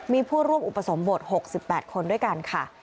มีผู้ร่วมอุปสมบท๖๘คนด้วยกันค่ะ